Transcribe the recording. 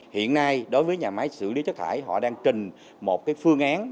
hiện nay đối với nhà máy xử lý chất thải họ đang trình một cái phương án